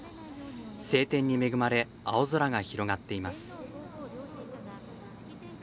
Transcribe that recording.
晴天に恵まれ青空が広がっています。